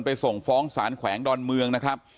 ส่งฟ้องสารแขวงดอนเมืองนะครับ